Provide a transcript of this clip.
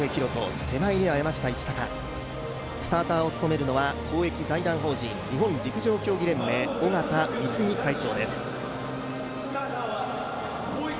スターターを務めるのは公益財団法人日本陸上競技連盟尾縣貢会長です。